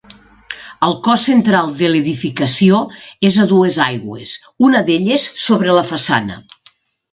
El cos central de l'edificació és a dues aigües, una d'elles sobre la façana.